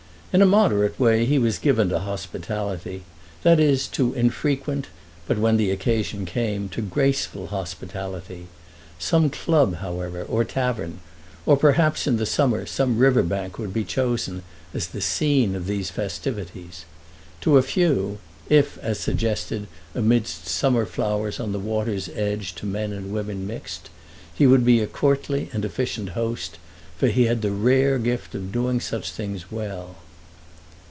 In a moderate way he was given to hospitality, that is to infrequent but, when the occasion came, to graceful hospitality. Some club, however, or tavern, or perhaps, in the summer, some river bank would be chosen as the scene of these festivities. To a few, if, as suggested, amidst summer flowers on the water's edge to men and women mixed, he would be a courtly and efficient host; for he had the rare gift of doing such things well.